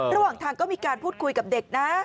ระหว่างทางก็มีการพูดคุยกับเด็กนะ